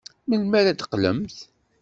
Melmi ara d-teqqlemt?